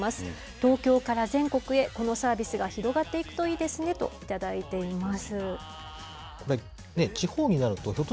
東京から全国へ、このサービスが広がっていくといいですねと頂いています。